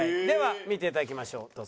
では見て頂きましょう。